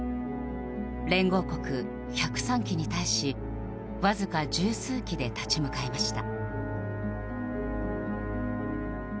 連合国１０３機に対しわずか十数機で立ち向かいました。